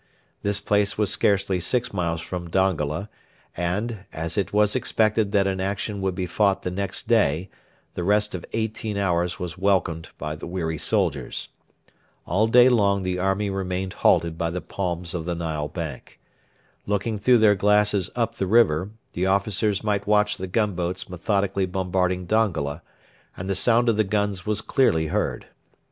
This place was scarcely six miles from Dongola, and, as it was expected that an action would be fought the next day, the rest of eighteen hours was welcomed by the weary soldiers. All day long the army remained halted by the palms of the Nile bank. Looking through their glasses up the river, the officers might watch the gunboats methodically bombarding Dongola, and the sound of the guns was clearly heard.